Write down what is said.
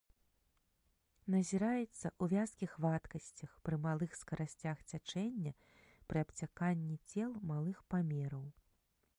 Назіраецца ў вязкіх вадкасцях, пры малых скарасцях цячэння, пры абцяканні цел малых памераў.